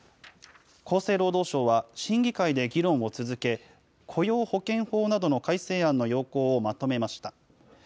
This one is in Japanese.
厚生労働省は審議会で議論を続け、雇用保険法などの改正案の要綱をまとめました。